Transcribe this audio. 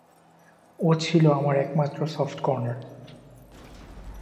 ও ছিল আমার একমাত্র সফটকর্নার।